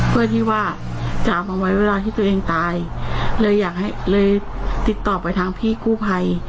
เพื่อที่ว่าจะเอามาไว้เวลาที่ตัวเองตายเลยอยากให้เลยติดต่อไปทางพี่กู้ภัย